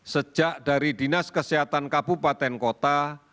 sejak dari dinas kesehatan kabupaten kota